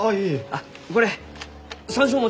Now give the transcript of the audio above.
あっこれ山椒餅。